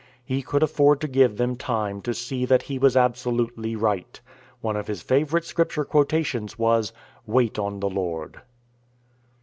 He could afford to give them time to see that he was absolutely right. One of his favorite Scripture quotations was, "Wait on the Lord."